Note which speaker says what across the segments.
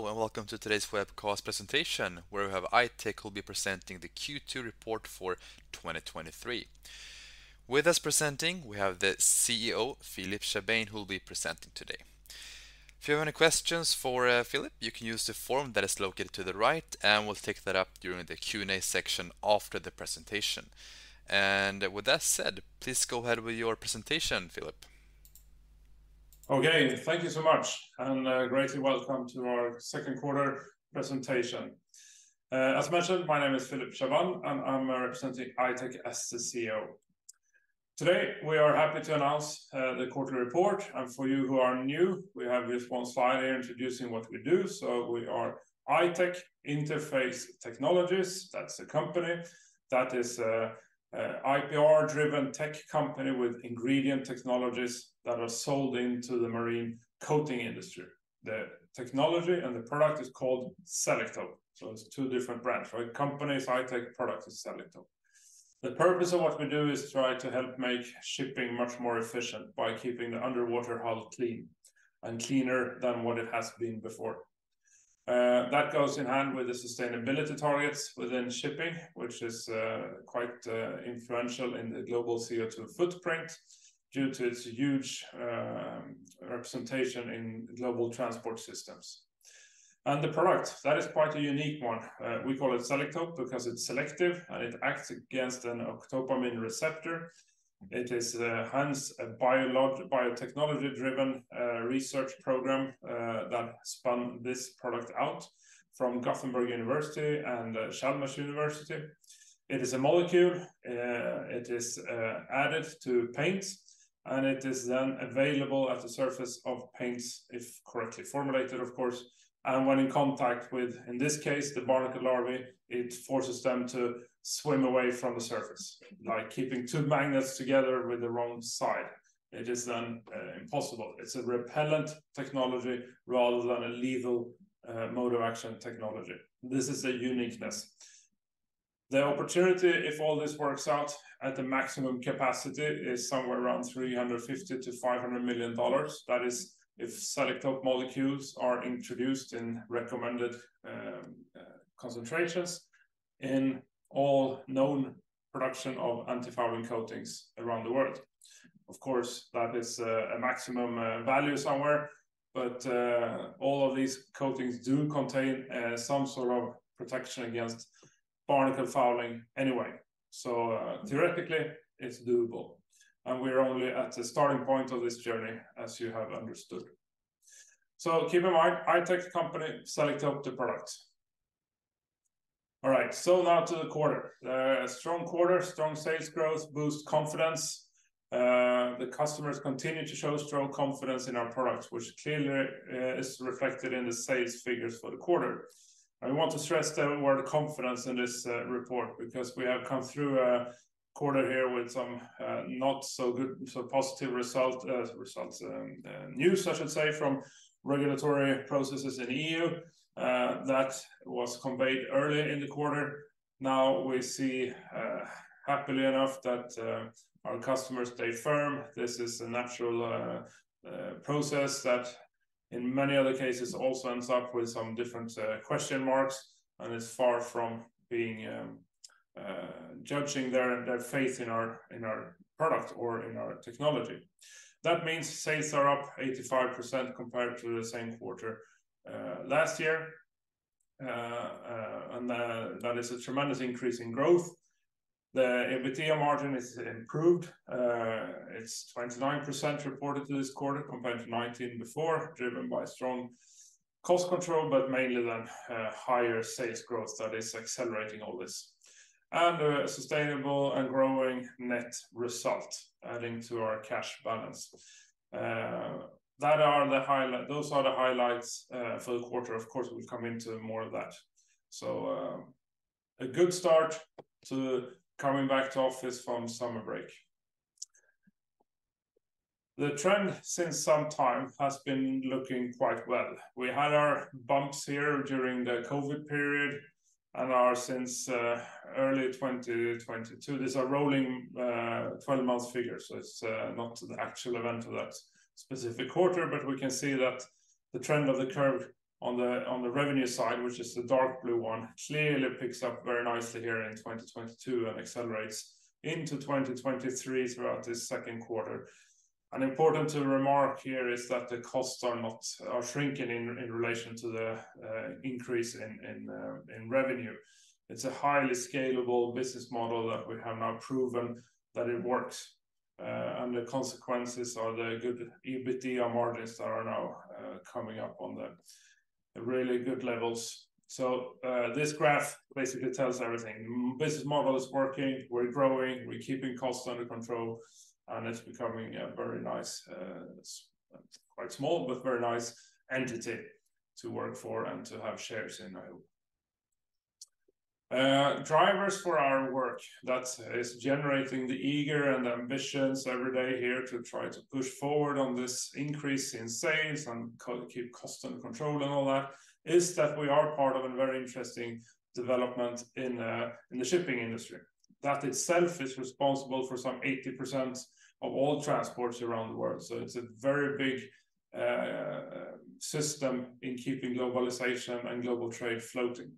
Speaker 1: Hello, and welcome to today's webcast presentation, where we have I-Tech who will be presenting the Q2 report for 2023. With us presenting, we have the CEO, Philip Chaabane, who will be presenting today. If you have any questions for Philip, you can use the form that is located to the right, and we'll take that up during the Q&A section after the presentation. And with that said, please go ahead with your presentation, Philip.
Speaker 2: Okay, thank you so much, and greatly welcome to our second quarter presentation. As mentioned, my name is Philip Chaabane, and I'm representing I-Tech as CEO. Today, we are happy to announce the quarterly report, and for you who are new, we have this one slide here introducing what we do. So we are I-Tech Interface Technologies. That's the company. That is a IPR-driven tech company with ingredient technologies that are sold into the marine coating industry. The technology and the product is called Selektope. So it's two different brands, right? Company is I-Tech, product is Selektope. The purpose of what we do is try to help make shipping much more efficient by keeping the underwater hull clean and cleaner than what it has been before. That goes in hand with the sustainability targets within shipping, which is quite influential in the global CO2 footprint due to its huge representation in global transport systems. And the product, that is quite a unique one. We call it Selektope because it's selective, and it acts against an octopamine receptor. It is hence a biotechnology-driven research program that spun this product out from Gothenburg University and Chalmers University. It is a molecule. It is added to paint, and it is then available at the surface of paints, if correctly formulated, of course. And when in contact with, in this case, the barnacle larvae, it forces them to swim away from the surface, like keeping two magnets together with the wrong side. It is then impossible. It's a repellent technology rather than a lethal mode-of-action technology. This is a uniqueness. The opportunity, if all this works out at the maximum capacity, is somewhere around $350 million-$500 million. That is if Selektope molecules are introduced in recommended concentrations in all known production of antifouling coatings around the world. Of course, that is a maximum value somewhere, but all of these coatings do contain some sort of protection against barnacle fouling anyway. So theoretically, it's doable, and we're only at the starting point of this journey, as you have understood. So keep in mind, I-Tech company, Selektope the product. All right, so now to the quarter. A strong quarter, strong sales growth boosts confidence. The customers continue to show strong confidence in our product, which clearly is reflected in the sales figures for the quarter. I want to stress the word "confidence" in this report, because we have come through a quarter here with some not so good, so positive result, results, news, I should say, from regulatory processes in EU. That was conveyed early in the quarter. Now, we see, happily enough, that our customers stay firm. This is a natural process that, in many other cases, also ends up with some different question marks and is far from being judging their, their faith in our, in our product or in our technology. That means sales are up 85% compared to the same quarter last year. That is a tremendous increase in growth. The EBITDA margin is improved. It's 29% reported this quarter, compared to 19 before, driven by strong cost control, but mainly the higher sales growth that is accelerating all this. A sustainable and growing net result adding to our cash balance. Those are the highlights for the quarter. Of course, we'll come into more of that. A good start to coming back to office from summer break. The trend since some time has been looking quite well. We had our bumps here during the COVID period and are since early 2022. These are rolling, 12-month figures, so it's not the actual event of that specific quarter, but we can see that the trend of the curve on the, on the revenue side, which is the dark blue one, clearly picks up very nicely here in 2022 and accelerates into 2023 throughout this second quarter. And important to remark here is that the costs are not- are shrinking in, in relation to the, increase in, in, revenue. It's a highly scalable business model that we have now proven that it works, and the consequences or the good EBITDA margins are now, coming up on the really good levels. So, this graph basically tells everything. Business model is working, we're growing, we're keeping costs under control, and it's becoming a very nice, quite small, but very nice entity to work for and to have shares in, I hope. Drivers for our work that is generating the eager and ambitions every day here to try to push forward on this increase in sales and co- keep cost and control and all that, is that we are part of a very interesting development in, in the shipping industry that itself is responsible for some 80% of all transports around the world. So it's a very big, system in keeping globalization and global trade floating.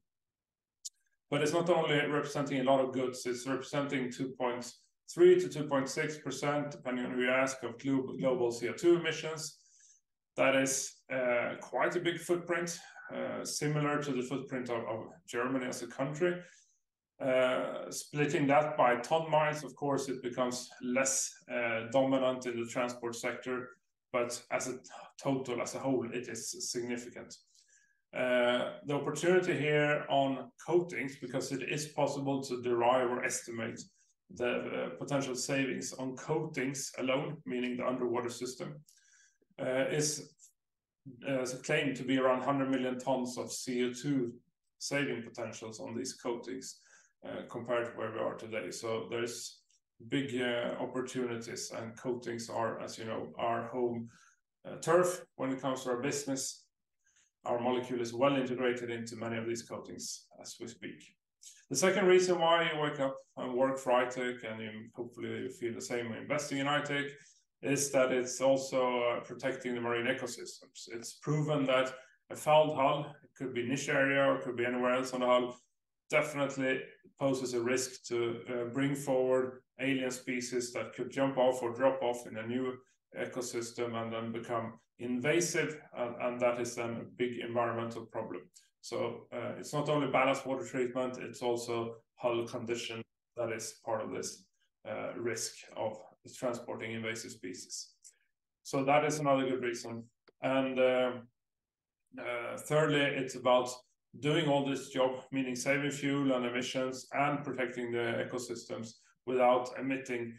Speaker 2: But it's not only representing a lot of goods, it's representing 2.3%-2.6%, depending on who you ask, of global CO2 emissions. That is quite a big footprint, similar to the footprint of Germany as a country. Splitting that by ton-miles, of course, it becomes less dominant in the transport sector, but as a total, as a whole, it is significant. The opportunity here on coatings, because it is possible to derive or estimate the potential savings on coatings alone, meaning the underwater system, is claimed to be around 100 million tons of CO2 saving potentials on these coatings, compared to where we are today. So there's big opportunities, and coatings are, as you know, our home turf when it comes to our business. Our molecule is well integrated into many of these coatings as we speak. The second reason why I wake up and work for I-Tech, and hopefully you feel the same investing in I-Tech, is that it's also protecting the marine ecosystems. It's proven that a fouled hull, it could be this area, or it could be anywhere else on the hull, definitely poses a risk to bring forward alien species that could jump off or drop off in a new ecosystem and then become invasive, and that is then a big environmental problem. So, it's not only ballast water treatment, it's also hull condition that is part of this risk of transporting invasive species. So that is another good reason. And, thirdly, it's about doing all this job, meaning saving fuel and emissions and protecting the ecosystems without emitting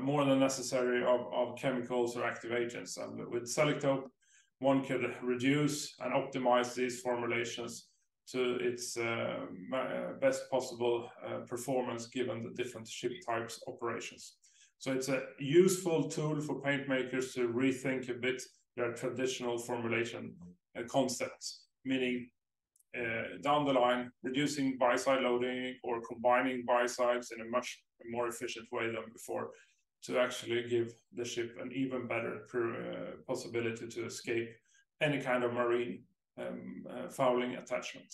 Speaker 2: more than necessary of chemicals or active agents. And with Selektope, one could reduce and optimize these formulations to its best possible performance, given the different ship types operations. So it's a useful tool for paint makers to rethink a bit their traditional formulation and concepts, meaning down the line, reducing biocide loading or combining biocides in a much more efficient way than before, to actually give the ship an even better possibility to escape any kind of marine fouling attachment.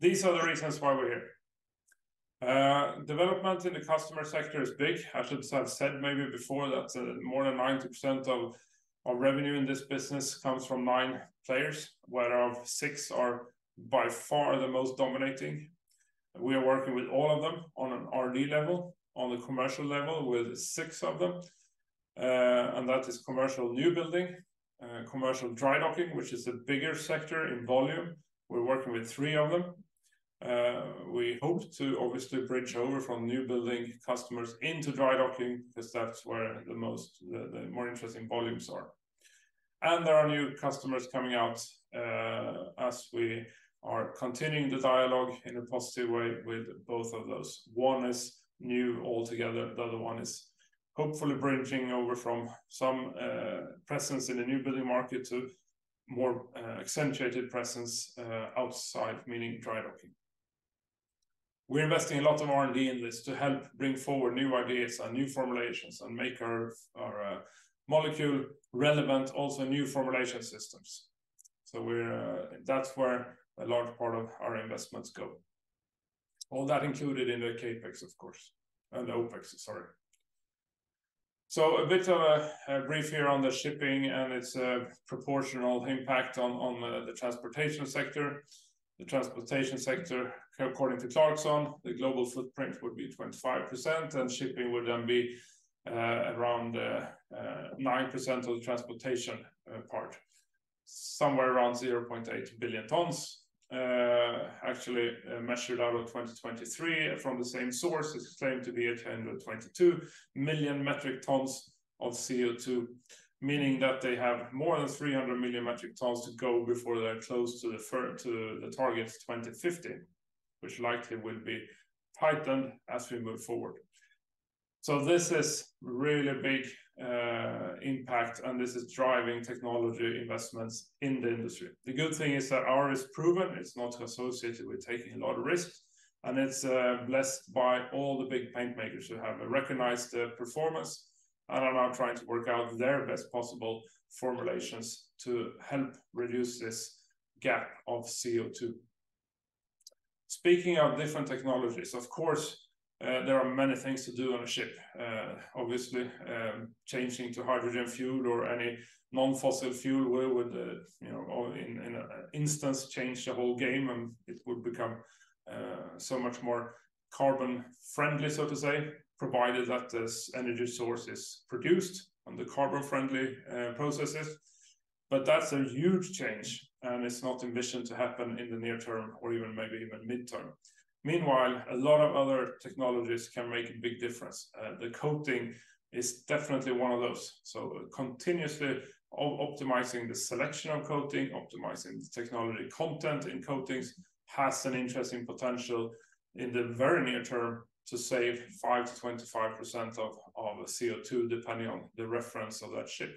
Speaker 2: These are the reasons why we're here. Development in the customer sector is big. I should have said maybe before that more than 90% of revenue in this business comes from nine players, whereof six are by far the most dominating. We are working with all of them on an R&D level, on the commercial level with six of them. And that is commercial New building, commercial Dry docking, which is a bigger sector in volume. We're working with three of them. We hope to obviously bridge over from New building customers into Dry docking, because that's where the most, the more interesting volumes are. And there are new customers coming out, as we are continuing the dialogue in a positive way with both of those. One is new altogether, the other one is hopefully bridging over from some presence in the New building market to more accentuated presence outside, meaning Dry docking. We're investing a lot of R&D in this to help bring forward new ideas and new formulations and make our molecule relevant, also new formulation systems. So we're, that's where a large part of our investments go. All that included in the CapEx, of course, the OpEx, sorry. So a bit of a brief here on the shipping and its proportional impact on the transportation sector. The transportation sector, according to Clarkson, the global footprint would be 25%, and shipping would then be around 9% of the transportation part, somewhere around 0.8 billion tons. Actually, measured out of 2023 from the same source, it's claimed to be at 122 million metric tons of CO2, meaning that they have more than 300 million metric tons to go before they're close to the target of 2050, which likely will be tightened as we move forward. So this is really a big impact, and this is driving technology investments in the industry. The good thing is that ours is proven, it's not associated with taking a lot of risks, and it's blessed by all the big paint makers who have recognized the performance and are now trying to work out their best possible formulations to help reduce this gap of CO2. Speaking of different technologies, of course, there are many things to do on a ship. Obviously, changing to hydrogen fuel or any non-fossil fuel would, you know, in instance, change the whole game, and it would become so much more carbon-friendly, so to say, provided that this energy source is produced on the carbon-friendly processes. But that's a huge change, and it's not envisioned to happen in the near term or even maybe midterm. Meanwhile, a lot of other technologies can make a big difference. The coating is definitely one of those. So continuously optimizing the selection of coating, optimizing the technology content in coatings, has an interesting potential in the very near term to sale 5%-25% of on the CO2, depending on the reference of that ship.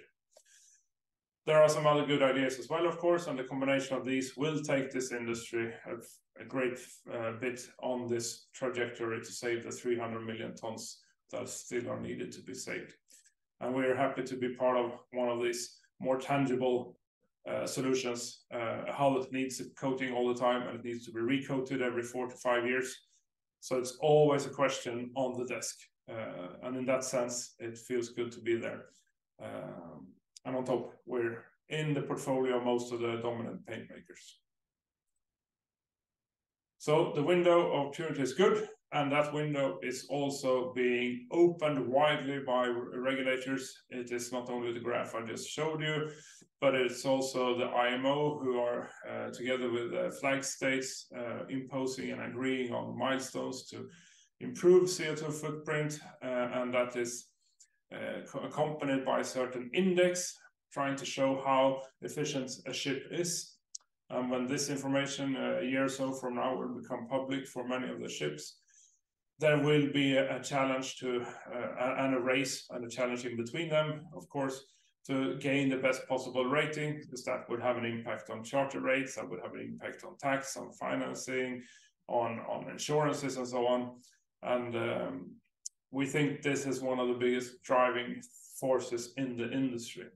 Speaker 2: There are some other good ideas as well, of course, and the combination of these will take this industry a great bit on this trajectory to save 300 million tons that still are needed to be saved. And we are happy to be part of one of these more tangible solutions. Hull needs a coating all the time, and it needs to be recoated every four-five years. So it's always a question on the desk. And in that sense, it feels good to be there. And on top, we're in the portfolio of most of the dominant paint makers. So the window of opportunity is good, and that window is also being opened widely by regulators. It is not only the graph I just showed you, but it's also the IMO, who are together with the flag states imposing and agreeing on the milestones to improve CO2 footprint, and that is accompanied by a certain index trying to show how efficient a ship is. And when this information, a year or so from now, will become public for many of the ships, there will be a challenge to and a race and a challenge in between them, of course, to gain the best possible rating, because that would have an impact on charter rates, that would have an impact on tax, on financing, on, on insurances, and so on. We think this is one of the biggest driving forces in the industry.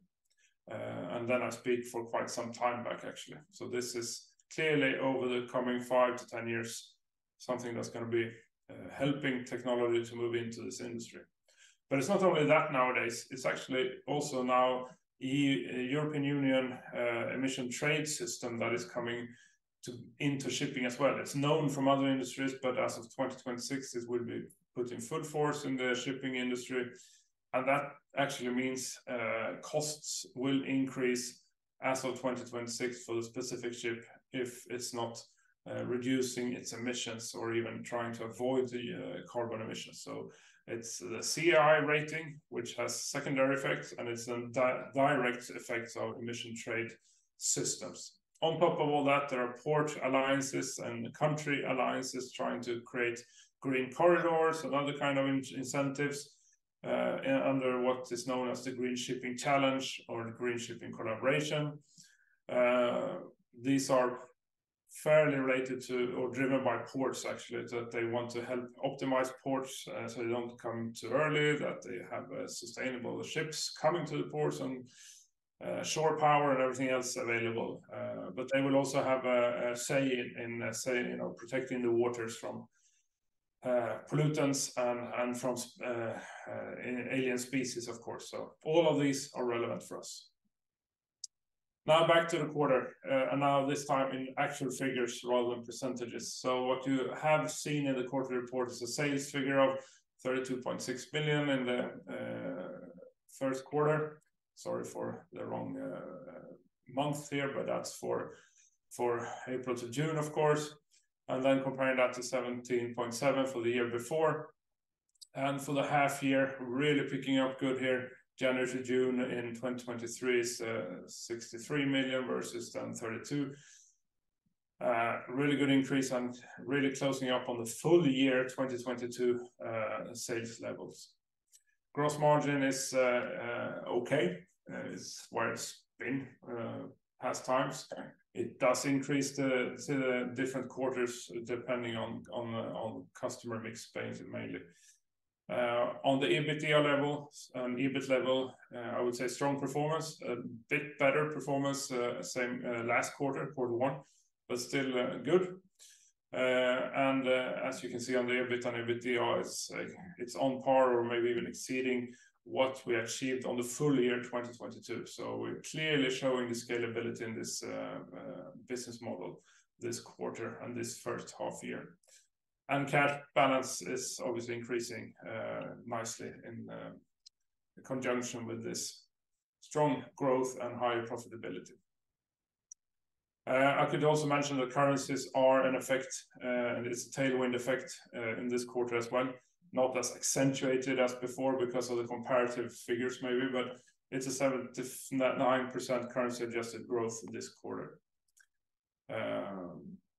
Speaker 2: And then I speak for quite some time back, actually. So this is clearly over the coming 5-10 years, something that's gonna be helping technology to move into this industry. But it's not only that nowadays, it's actually also now EU Emissions Trading System that is coming to, into shipping as well. It's known from other industries, but as of 2026, it will be putting foot force in the shipping industry. And that actually means, costs will increase as of 2026 for the specific ship if it's not reducing its emissions or even trying to avoid the carbon emissions. So it's the CII rating, which has secondary effects, and it's the direct effects of emissions trading systems. On top of all that, there are port alliances and country alliances trying to create green corridors and other kind of incentives under what is known as the Green Shipping Challenge or the Green Shipping Collaboration. These are fairly related to or driven by ports, actually, that they want to help optimize ports, so they don't come too early, that they have sustainable ships coming to the ports and shore power and everything else available. But they will also have a say in, say, you know, protecting the waters from pollutants and from alien species, of course. So all of these are relevant for us. Now back to the quarter, and now this time in actual figures rather than percentages. So what you have seen in the quarter report is a sales figure of 32.6 million in the first quarter. Sorry for the wrong month here, but that's for April to June, of course. Then comparing that to 17.7 million for the year before. For the half year, really picking up good here. January to June in 2023 is 63 million versus then 32 million. Really good increase and really closing up on the full year, 2022 sales levels. Gross margin is okay. It's where it's been past times. It does increase to the different quarters, depending on the customer mix mainly. On the EBITDA level and EBIT level, I would say strong performance, a bit better performance, same last quarter, quarter one, but still good. As you can see on the EBIT and EBITDA, it's on par or maybe even exceeding what we achieved on the full year, 2022. We're clearly showing the scalability in this business model this quarter and this first half year. Cash balance is obviously increasing nicely in conjunction with this strong growth and higher profitability. I could also mention that currencies are in effect, and it's a tailwind effect in this quarter as well. Not as accentuated as before because of the comparative figures, maybe, but it's a 7%-9% currency-adjusted growth this quarter.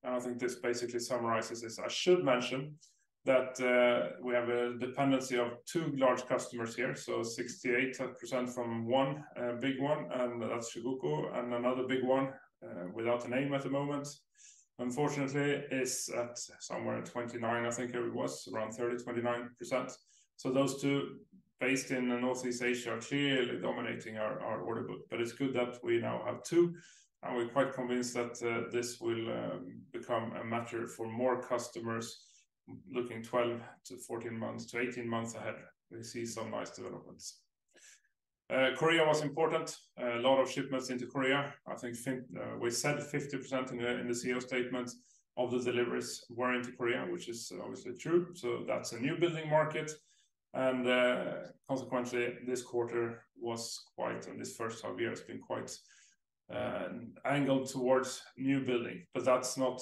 Speaker 2: I think this basically summarizes this. I should mention that we have a dependency of two large customers here, so 68% from one big one, and that's Chugoku, and another big one without a name at the moment. Unfortunately, it's at somewhere at 29, I think it was, around 30, 29%. So those two, based in the Northeast Asia, are clearly dominating our order book. But it's good that we now have two, and we're quite convinced that this will become a matter for more customers looking 12 to 14 months to 18 months ahead. We see some nice developments. Korea was important. A lot of shipments into Korea. I think we said 50% in the CEO statement of the deliveries were into Korea, which is obviously true. So that's a new building market, and, consequently, this quarter was quite, and this first half year has been quite, angled towards new building. But that's not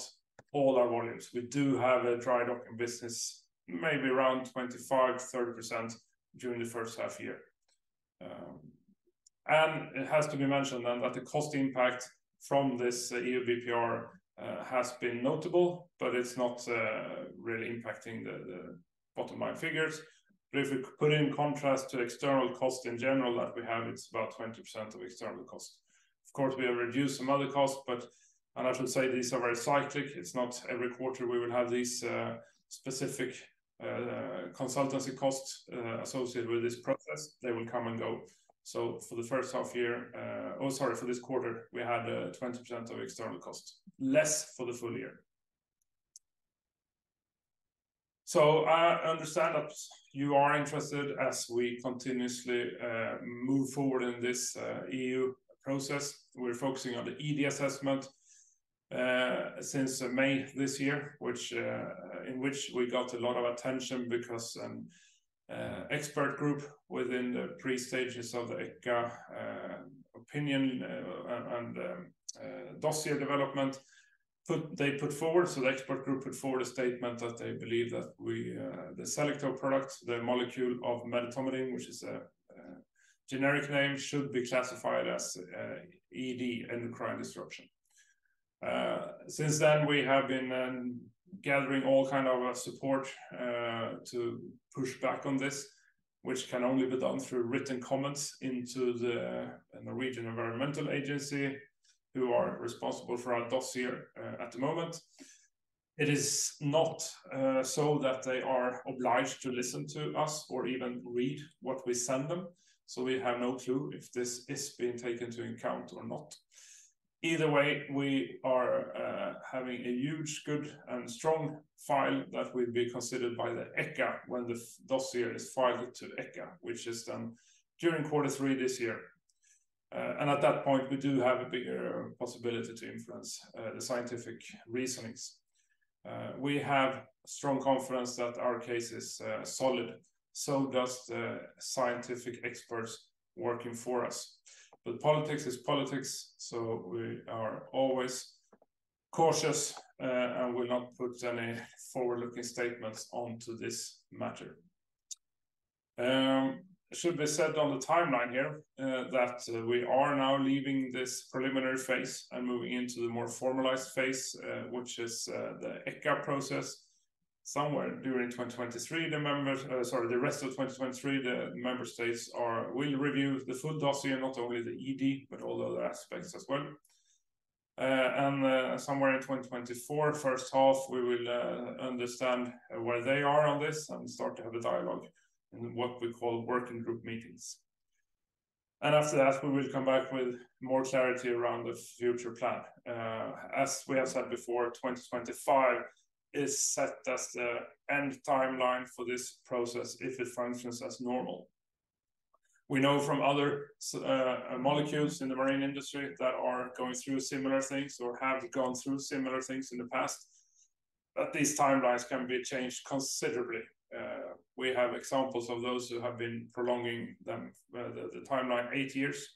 Speaker 2: all our volumes. We do have a dry docking business, maybe around 25-30% during the first half year. And it has to be mentioned then that the cost impact from this EU BPR has been notable, but it's not really impacting the bottom line figures. But if we put in contrast to external cost in general that we have, it's about 20% of external costs. Of course, we have reduced some other costs, but, and I should say these are very cyclic. It's not every quarter we will have these specific consultancy costs associated with this process. They will come and go. So for the first half year... Oh, sorry, for this quarter, we had 20% of external costs, less for the full year. So, I understand that you are interested as we continuously move forward in this EU process. We're focusing on the ED assessment since May this year, which in which we got a lot of attention because an expert group within the pre-stages of the ECHA opinion and dossier development put forward a statement that they believe that the Selektope product, the molecule of medetomidine, which is a generic name, should be classified as ED, endocrine disruption. Since then, we have been gathering all kind of support to push back on this, which can only be done through written comments into the Norwegian Environmental Agency, who are responsible for our dossier at the moment. It is not so that they are obliged to listen to us or even read what we send them, so we have no clue if this is being taken into account or not. Either way, we are having a huge, good, and strong file that will be considered by the ECHA when the dossier is filed to ECHA, which is done during quarter three this year. And at that point, we do have a bigger possibility to influence the scientific reasonings. We have strong confidence that our case is solid, so does the scientific experts working for us. But politics is politics, so we are always cautious, and will not put any forward-looking statements onto this matter. It should be said on the timeline here, that we are now leaving this preliminary phase and moving into the more formalized phase, which is the ECHA process. Somewhere during 2023, the rest of 2023, the member states will review the full dossier, not only the ED, but all the other aspects as well. And somewhere in 2024, first half, we will understand where they are on this and start to have a dialogue in what we call working group meetings. And after that, we will come back with more clarity around the future plan. As we have said before, 2025 is set as the end timeline for this process if it functions as normal. We know from other molecules in the marine industry that are going through similar things or have gone through similar things in the past, that these timelines can be changed considerably. We have examples of those who have been prolonging them, the, the timeline, eight years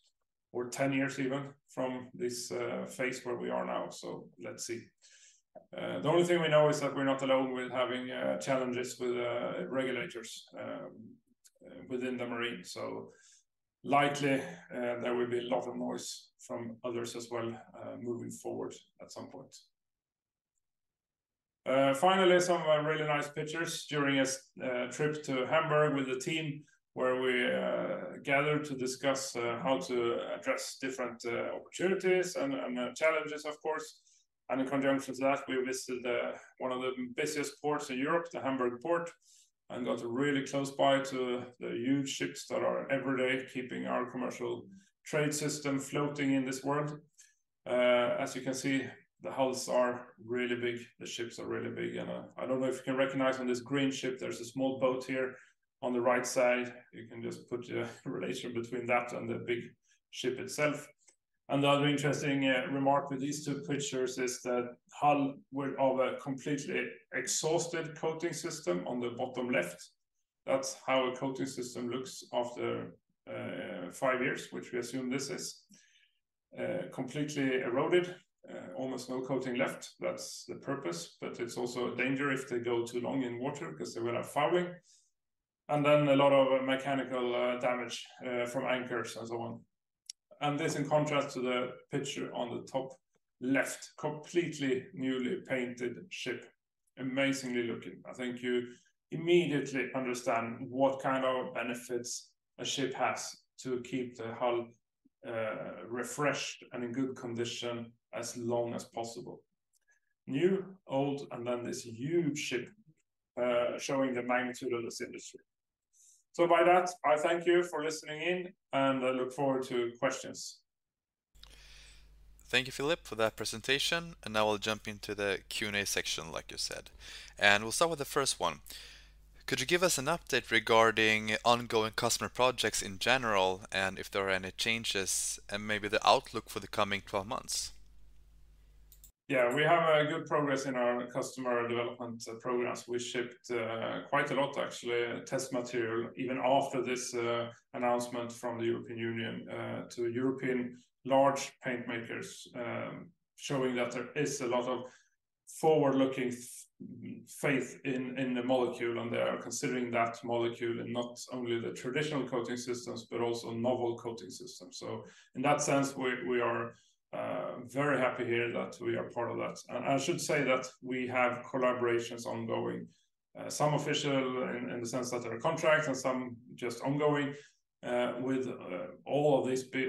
Speaker 2: or 10 years even from this phase where we are now. So let's see. The only thing we know is that we're not alone with having challenges with regulators within the marine. So likely, there will be a lot of noise from others as well moving forward at some point. Finally, some really nice pictures during a trip to Hamburg with the team, where we gathered to discuss how to address different opportunities and challenges, of course. In conjunction to that, we visited one of the busiest ports in Europe, the Hamburg port, and got really close by to the huge ships that are every day keeping our commercial trade system floating in this world. As you can see, the hulls are really big, the ships are really big, and I don't know if you can recognize on this green ship, there's a small boat here on the right side. You can just put a relation between that and the big ship itself. Another interesting remark with these two pictures is the hull of a completely exhausted coating system on the bottom left. That's how a coating system looks after five years, which we assume this is: completely eroded, almost no coating left. That's the purpose, but it's also a danger if they go too long in water because they will have fouling, and then a lot of mechanical damage from anchors and so on. And this in contrast to the picture on the top left: completely newly painted ship, amazingly looking. I think you immediately understand what kind of benefits a ship has to keep the hull refreshed and in good condition as long as possible. New, old, and then this huge ship showing the magnitude of this industry. So by that, I thank you for listening in, and I look forward to questions.
Speaker 1: Thank you, Philip, for that presentation. Now we'll jump into the Q&A section, like you said. We'll start with the first one. Could you give us an update regarding ongoing customer projects in general, and if there are any changes, and maybe the outlook for the coming 12 months?
Speaker 2: Yeah, we have good progress in our customer development programs. We shipped quite a lot, actually, test material, even after this announcement from the European Union to European large paint makers, showing that there is a lot of forward-looking faith in the molecule, and they are considering that molecule in not only the traditional coating systems, but also novel coating systems. So in that sense, we are I'm very happy to hear that we are part of that. And I should say that we have collaborations ongoing, some official in the sense that there are contracts and some just ongoing, with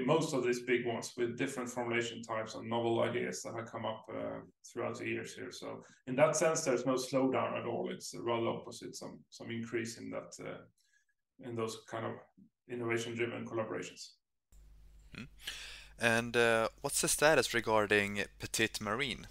Speaker 2: most of these big ones, with different formulation types and novel ideas that have come up throughout the years here. So in that sense, there's no slowdown at all. It's the rather opposite, some increase in that, in those kind of innovation-driven collaborations.
Speaker 1: Mm-hmm. And what's the status regarding Pettit Marine?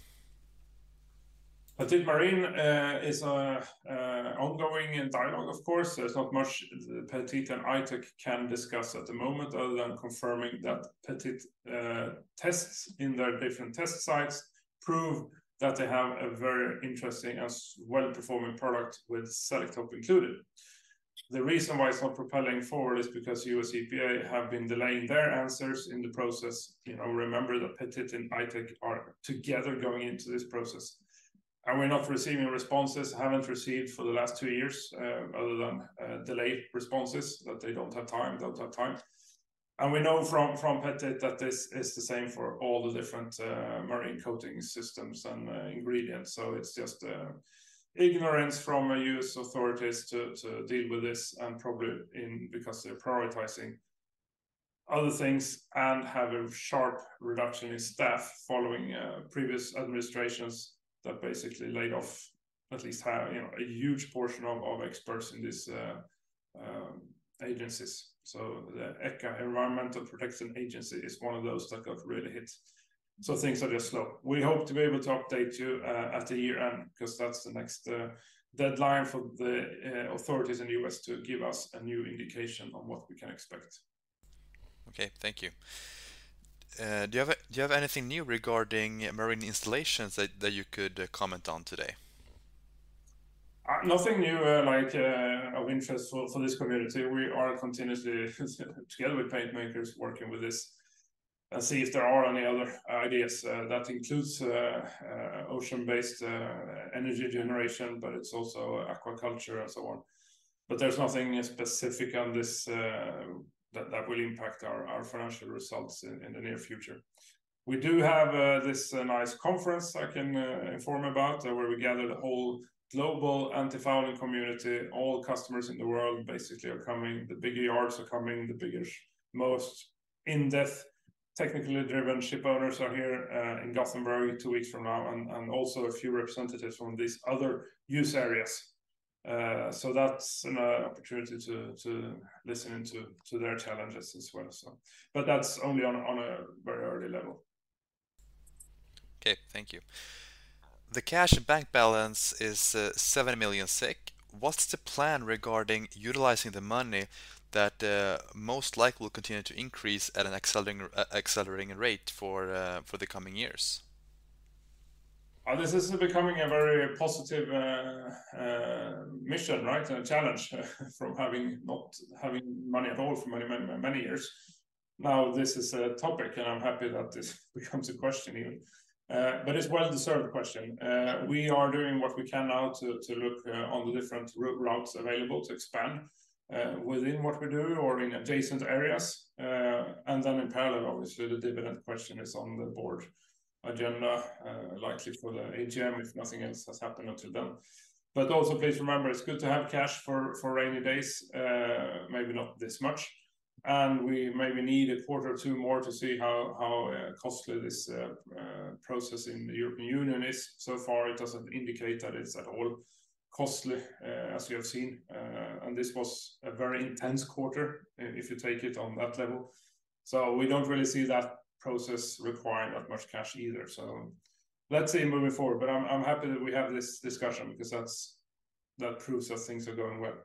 Speaker 2: Pettit Marine Paint is an ongoing dialogue, of course. There's not much Pettit and I-Tech can discuss at the moment other than confirming that Pettit tests in their different test sites prove that they have a very interesting and well-performing product with Selektope included. The reason why it's not propelling forward is because U.S. EPA have been delaying their answers in the process. You know, remember that Pettit and I-Tech are together going into this process, and we're not receiving responses, haven't received for the last two years, other than delayed responses, that they don't have time, don't have time. And we know from Pettit that this is the same for all the different marine coating systems and ingredients. So it's just, ignorance from the U.S. authorities to, to deal with this, and probably in because they're prioritizing other things and have a sharp reduction in staff following, previous administrations that basically laid off at least half, you know, a huge portion of, of experts in these, agencies. The EPA, Environmental Protection Agency, is one of those that got really hit. Things are just slow. We hope to be able to update you, at the year-end, because that's the next, deadline for the, authorities in the U.S. to give us a new indication on what we can expect.
Speaker 1: Okay, thank you. Do you have anything new regarding marine installations that you could comment on today?
Speaker 2: Nothing new, like, of interest for this community. We are continuously, together with paint makers, working with this and see if there are any other ideas. That includes ocean-based energy generation, but it's also aquaculture and so on. But there's nothing specific on this that will impact our financial results in the near future. We do have this nice conference I can inform about, where we gather the whole global antifouling community. All customers in the world basically are coming. The bigger yards are coming, the biggest, most in-depth, technically driven shipowners are here in Gothenburg two weeks from now, and also a few representatives from these other use areas. So that's an opportunity to listen to their challenges as well, so. That's only on a very early level.
Speaker 1: Okay, thank you. The cash and bank balance is Seven million. What's the plan regarding utilizing the money that most likely will continue to increase at an accelerating rate for the coming years?
Speaker 2: This is becoming a very positive mission, right? A challenge, from not having money at all for many, many, many years. Now, this is a topic, and I'm happy that this becomes a question even. But it's a well-deserved question. We are doing what we can now to look on the different routes available to expand within what we do or in adjacent areas. And then in parallel, obviously, the dividend question is on the board agenda, likely for the AGM, if nothing else has happened until then. But also, please remember, it's good to have cash for rainy days, maybe not this much. And we maybe need a quarter or two more to see how costly this process in the European Union is. So far, it doesn't indicate that it's at all costly, as you have seen. This was a very intense quarter, if you take it on that level. So we don't really see that process requiring that much cash either. So let's see moving forward. But I'm, I'm happy that we have this discussion because that's that proves that things are going well.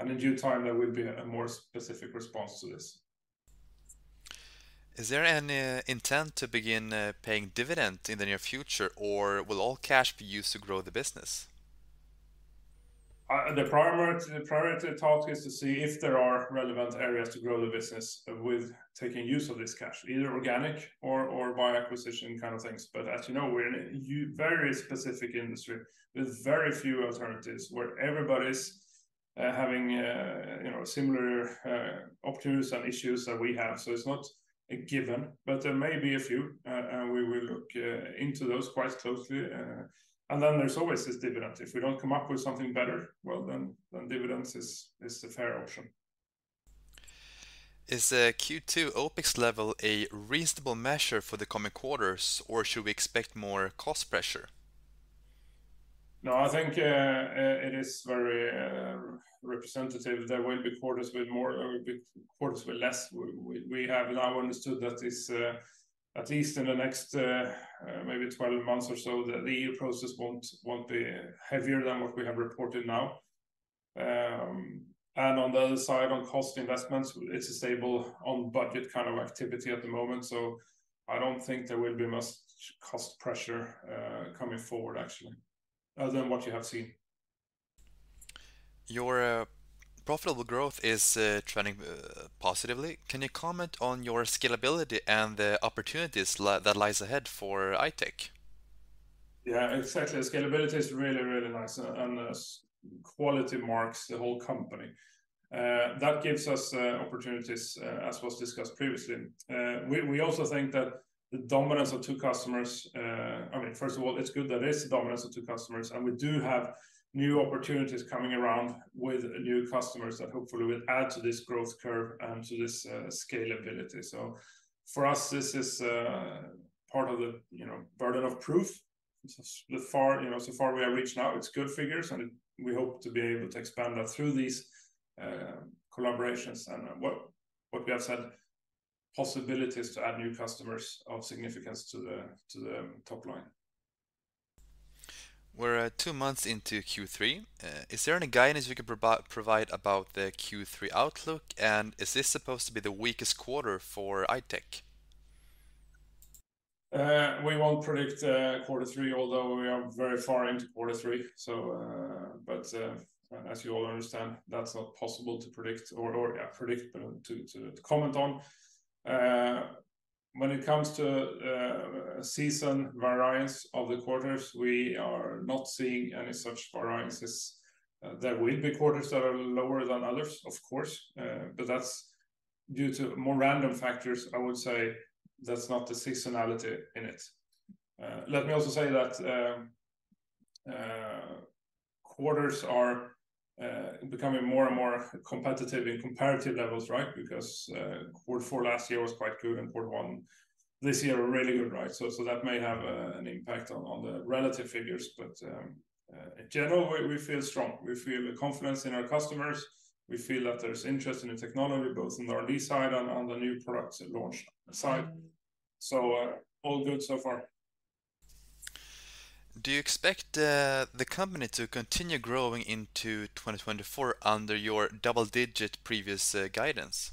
Speaker 2: And in due time, there will be a more specific response to this.
Speaker 1: Is there any intent to begin paying dividend in the near future, or will all cash be used to grow the business?
Speaker 2: The priority talk is to see if there are relevant areas to grow the business with taking use of this cash, either organic or by acquisition kind of things. But as you know, we're in a very specific industry with very few alternatives, where everybody's having you know, similar opportunities and issues that we have. So it's not a given, but there may be a few, and we will look into those quite closely. And then there's always this dividend. If we don't come up with something better, well, then dividends is a fair option.
Speaker 1: Is the Q2 OpEx level a reasonable measure for the coming quarters, or should we expect more cost pressure?
Speaker 2: No, I think it is very representative. There will be quarters with more, be quarters with less. We have now understood that is at least in the next maybe 12 months or so, that the EU process won't be heavier than what we have reported now. And on the other side, on cost investments, it's a stable, on budget kind of activity at the moment, so I don't think there will be much cost pressure coming forward, actually, other than what you have seen.
Speaker 1: Your profitable growth is trending positively. Can you comment on your scalability and the opportunities that lies ahead for I-Tech?
Speaker 2: Yeah, exactly. The scalability is really, really nice, and as quality marks the whole company. That gives us opportunities as was discussed previously. We also think that the dominance of two customers I mean, first of all, it's good that there's a dominance of two customers, and we do have new opportunities coming around with new customers that hopefully will add to this growth curve and to this scalability. So for us, this is part of the, you know, burden of proof. So so far, you know, so far we have reached now, it's good figures, and we hope to be able to expand that through these collaborations and what we have said, possibilities to add new customers of significance to the top line.
Speaker 1: We're two months into Q3. Is there any guidance you can provide about the Q3 outlook, and is this supposed to be the weakest quarter for I-Tech?
Speaker 2: We won't predict quarter three, although we are very far into quarter three. So, as you all understand, that's not possible to predict, but to comment on. When it comes to season variance of the quarters, we are not seeing any such variances. There will be quarters that are lower than others, of course, but that's due to more random factors. I would say that's not the seasonality in it. Let me also say that quarters are becoming more and more competitive in comparative levels, right? Because quarter four last year was quite good, and quarter one this year were really good, right? So that may have an impact on the relative figures, but in general, we feel strong. We feel the confidence in our customers. We feel that there's interest in the technology, both on the R&D side and on the new products launch side. So, all good so far.
Speaker 1: Do you expect the company to continue growing into 2024 under your double-digit previous guidance?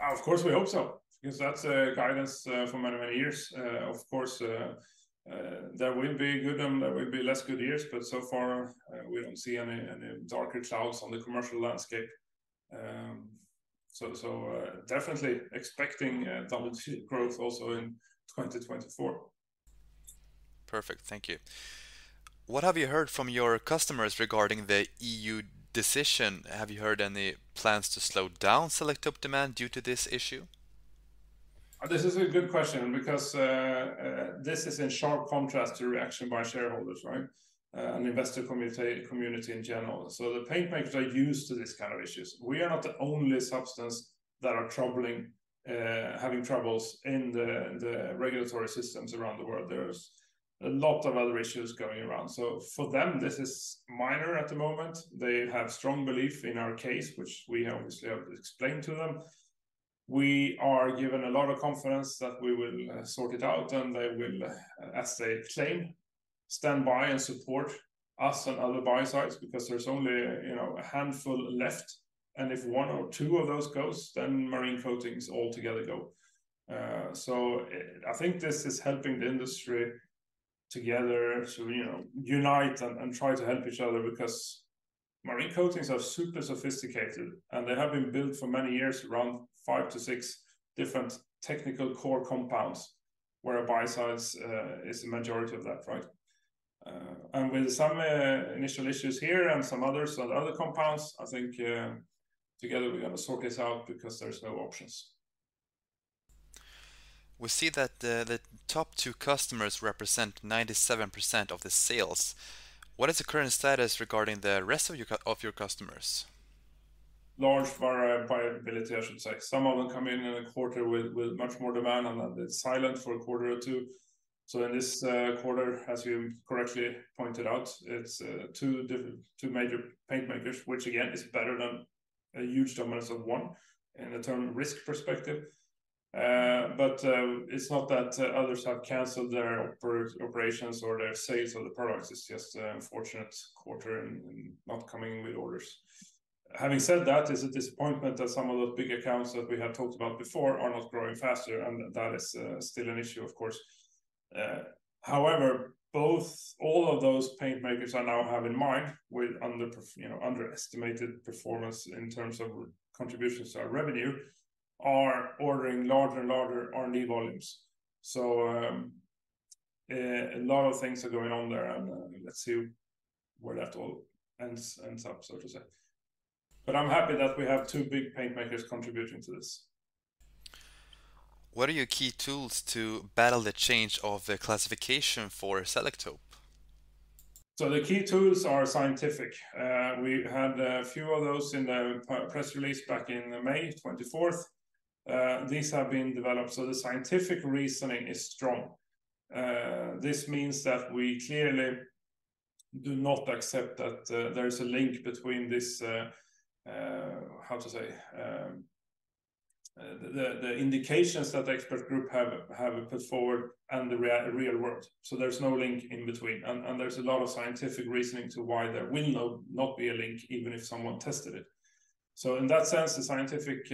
Speaker 2: Of course, we hope so, because that's a guidance for many, many years. Of course, there will be good and there will be less good years, but so far, we don't see any darker clouds on the commercial landscape. So, definitely expecting a double-digit growth also in 2024.
Speaker 1: Perfect. Thank you. What have you heard from your customers regarding the EU decision? Have you heard any plans to slow down Selektope demand due to this issue?
Speaker 2: This is a good question because, this is in sharp contrast to reaction by shareholders, right, and investor community in general. So the paint makers are used to these kind of issues. We are not the only substance that are troubling, having troubles in the, the regulatory systems around the world. There's a lot of other issues going around. So for them, this is minor at the moment. They have strong belief in our case, which we obviously have explained to them. We are given a lot of confidence that we will, sort it out, and they will, as they say, stand by and support us and other buy sides, because there's only, you know, a handful left, and if one or two of those goes, then marine coatings altogether go. So I think this is helping the industry together to, you know, unite and, and try to help each other because marine coatings are super sophisticated, and they have been built for many years around five-six different technical core compounds, where a biocide is a majority of that, right? And with some initial issues here and some others on other compounds, I think together, we're going to sort this out because there's no options.
Speaker 1: We see that the top two customers represent 97% of the sales. What is the current status regarding the rest of your customers?
Speaker 2: Large variability, I should say. Some of them come in in a quarter with much more demand, and then they're silent for a quarter or two. So in this quarter, as you correctly pointed out, it's two different, two major paint makers, which again, is better than a huge dominance of one in a term risk perspective. But it's not that others have canceled their operations or their sales of the products. It's just an unfortunate quarter and not coming with orders. Having said that, it's a disappointment that some of those big accounts that we had talked about before are not growing faster, and that is still an issue, of course. However, all of those paint makers I now have in mind with underestimated performance in terms of contributions to our revenue are ordering larger and larger R&D volumes. So, a lot of things are going on there, and let's see where that all ends up, so to say. But I'm happy that we have two big paint makers contributing to this.
Speaker 1: What are your key tools to battle the change of the classification for Selektope?
Speaker 2: So the key tools are scientific. We had a few of those in the press release back in May 24th. These have been developed, so the scientific reasoning is strong. This means that we clearly do not accept that there is a link between this, how to say, the indications that the expert group have put forward and the real world. So there's no link in between, and there's a lot of scientific reasoning to why there will not be a link, even if someone tested it. So in that sense, the scientific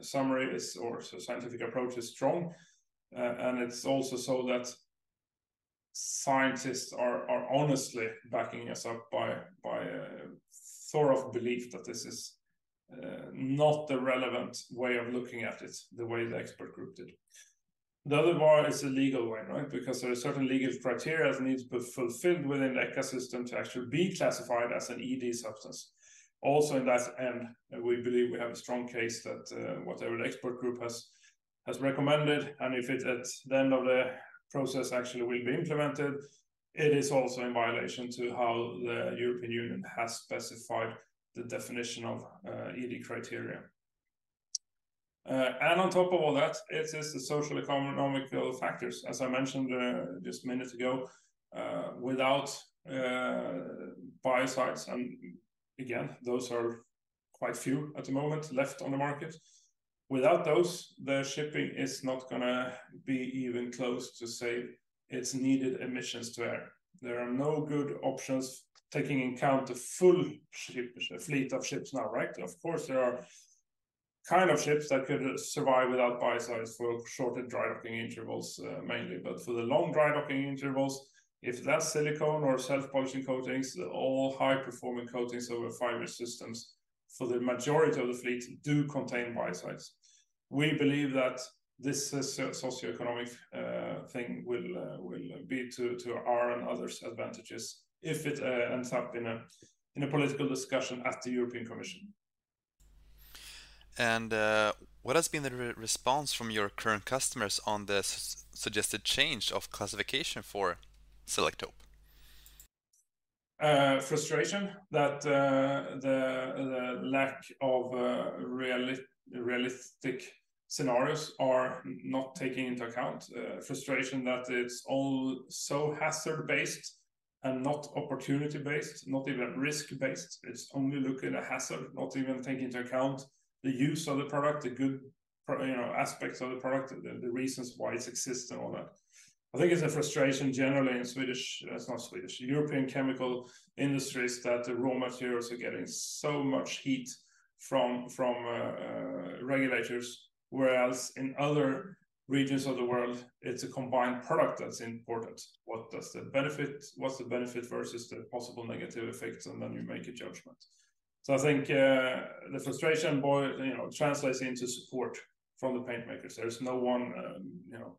Speaker 2: summary is, or scientific approach is strong, and it's also so that... Scientists are honestly backing us up by a thorough belief that this is not the relevant way of looking at it, the way the expert group did. The other bar is the legal way, right? Because there are certain legal criteria that needs to be fulfilled within the ECHA system to actually be classified as an ED substance. Also, in that end, we believe we have a strong case that whatever the expert group has recommended, and if it, at the end of the process, actually will be implemented, it is also in violation to how the European Union has specified the definition of ED criteria. And on top of all that, it is the socio-economic factors, as I mentioned just a minute ago. Without biocides, and again, those are quite few at the moment left on the market.
Speaker 1: Without those, the shipping is not gonna be even close to say its needed emissions to air. There are no good options taking into account the full ship, fleet of ships now, right? Of course, there are kind of ships that could survive without biocides for shorter dry-docking intervals, mainly. But for the long dry-docking intervals, if that's silicone or self-polishing coatings, all high-performing coatings over fiber systems for the majority of the fleet do contain biocides. We believe that this socioeconomic thing will be to our and others' advantages if it ends up in a political discussion at the European Commission. What has been the response from your current customers on this suggested change of classification for Selektope?
Speaker 2: Frustration that the lack of realistic scenarios are not taking into account. Frustration that it's all so hazard-based and not opportunity-based, not even risk-based. It's only looking at a hazard, not even taking into account the use of the product, the good aspects of the product, the reasons why it's existent and all that. I think it's a frustration generally in Swedish, not Swedish, European chemical industries, that the raw materials are getting so much heat from regulators, whereas in other regions of the world, it's a combined product that's important. What's the benefit versus the possible negative effects, and then you make a judgment. So I think the frustration, boy, you know, translates into support from the paint makers. There's no one you know,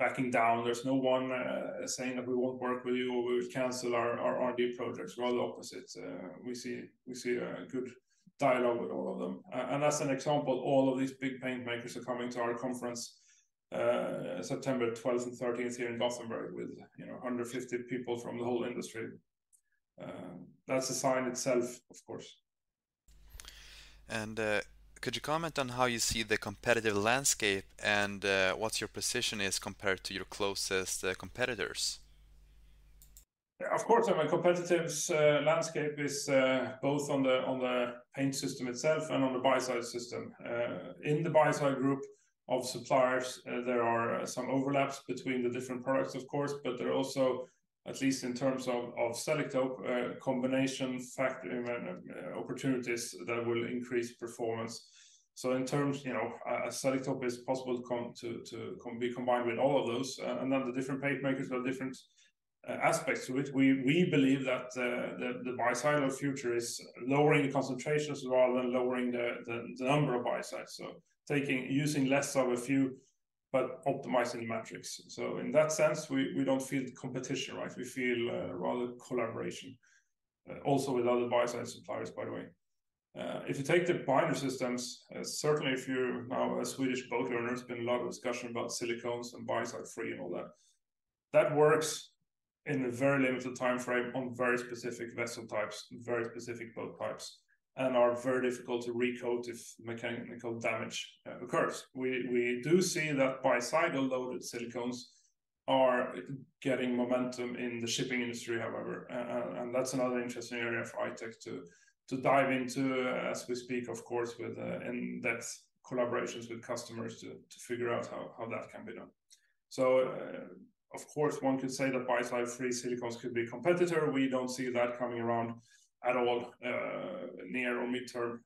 Speaker 2: backing down. There's no one saying that, "We won't work with you, or we will cancel our, our RD projects." Well, the opposite. We see, we see a good dialogue with all of them. And as an example, all of these big paint makers are coming to our conference September twelfth and thirteenth here in Gothenburg with, you know, 150 people from the whole industry. That's a sign itself, of course.
Speaker 1: Could you comment on how you see the competitive landscape and what your position is compared to your closest competitors?
Speaker 2: Of course, our competitors' landscape is both on the paint system itself and on the biocide system. In the biocide group of suppliers, there are some overlaps between the different products, of course, but there are also, at least in terms of Selektope, combination factor and opportunities that will increase performance. So in terms, you know, Selektope is possible to combine with all of those, and then the different paint makers have different aspects to it. We believe that the biocidal future is lowering the concentrations rather than lowering the number of biocides. So using less of a few, but optimizing the metrics. So in that sense, we don't feel the competition, right? We feel rather collaboration also with other biocide suppliers, by the way. If you take the binder systems, certainly if you're now a Swedish boat owner, there's been a lot of discussion about silicones and biocide-free and all that. That works in a very limited time frame on very specific vessel types and very specific boat types, and are very difficult to recoat if mechanical damage occurs. We do see that biocidal-loaded silicones are getting momentum in the shipping industry, however, and that's another interesting area for I-Tech to dive into as we speak, of course, with and that's collaborations with customers to figure out how that can be done. So, of course, one could say that biocide-free silicones could be a competitor. We don't see that coming around at all, near or mid-term.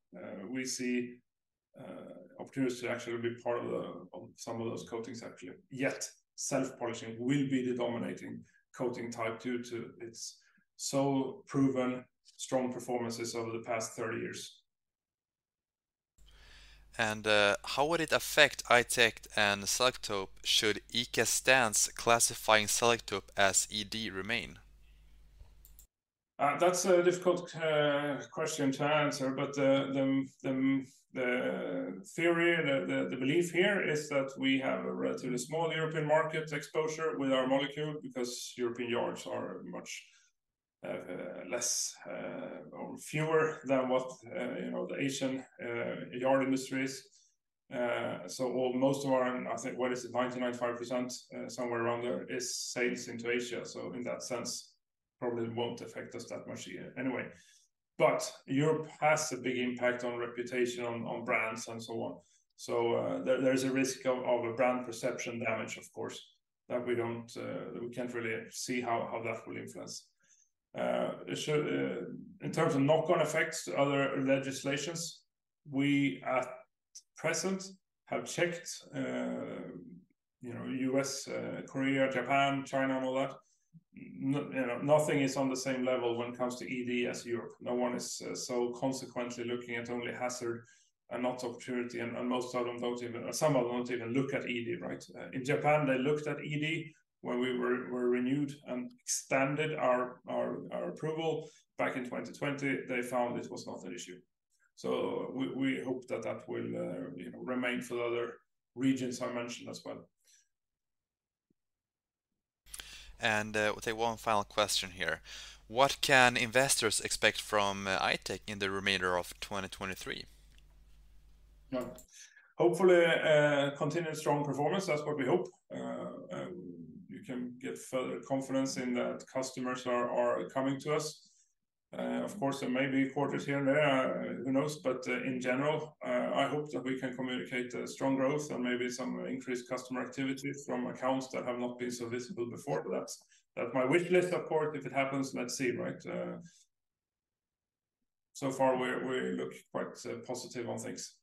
Speaker 2: We see opportunity to actually be part of some of those coatings actually. Yet, self-polishing will be the dominating coating type due to its so proven strong performances over the past 30 years.
Speaker 1: How would it affect I-Tech and Selektope should ECHA's stance classifying Selektope as ED remain? That's a difficult question to answer, but the theory, the belief here is that we have a relatively small European market exposure with our molecule because European yards are much less or fewer than what you know the Asian yard industry is. So almost all of our, I think, what is it? 99.5%, somewhere around there, is sales into Asia. So in that sense, probably won't affect us that much anyway. But Europe has a big impact on reputation, on brands, and so on. So there is a risk of a brand perception damage, of course, that we don't, we can't really see how that will influence.
Speaker 2: So, in terms of knock-on effects to other legislations, we, at present, have checked, you know, U.S., Korea, Japan, China, and all that. Nothing is on the same level when it comes to ED as Europe. No one is, so consequently looking at only hazard and not opportunity, and most of them don't even, some of them don't even look at ED, right? In Japan, they looked at ED when we were renewed and extended our approval back in 2020. They found it was not an issue. So we hope that that will, you know, remain for the other regions I mentioned as well.
Speaker 1: We take one final question here: What can investors expect from I-Tech in the remainder of 2023?
Speaker 2: Yeah. Hopefully, a continued strong performance, that's what we hope. You can get further confidence in that customers are coming to us. Of course, there may be quarters here and there, who knows? But in general, I hope that we can communicate strong growth and maybe some increased customer activity from accounts that have not been so visible before. But that's, that's my wish list, of course. If it happens, let's see, right? So far, we look quite positive on things.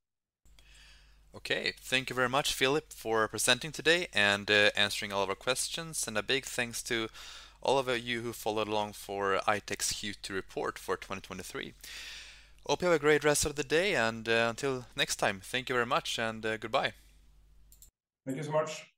Speaker 1: Okay, thank you very much, Philip, for presenting today and answering all of our questions. And a big thanks to all of you who followed along for I-Tech's Q2 report for 2023. Hope you have a great rest of the day, and until next time, thank you very much, and goodbye.
Speaker 2: Thank you so much.